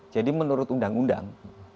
jadi menurut undang undang